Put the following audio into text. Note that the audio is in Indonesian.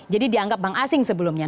jadi dianggap bank asing sebelumnya